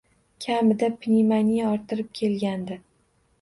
Kamiga pnevmoniya orttirib kelgandi.